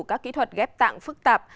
các kỹ thuật ghép tạng phức tạp